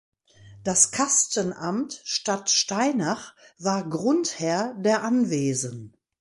Das Kastenamt Stadtsteinach war Grundherr der Anwesen.